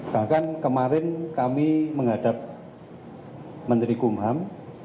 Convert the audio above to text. bahkan kemarin kami menghadap menteri kumham